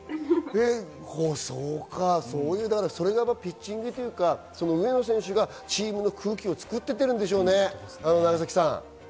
それがピッチングというか、上野選手がチームの空気を作っていってるんでしょうね。